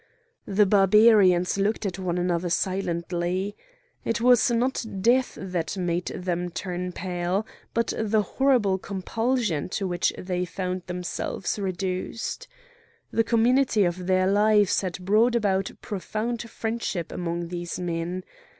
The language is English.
The Barbarians looked at one another silently. It was not death that made them turn pale, but the horrible compulsion to which they found themselves reduced. The community of their lives had brought about profound friendship among these men.